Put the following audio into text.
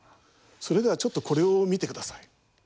それではちょっとこれを見てください。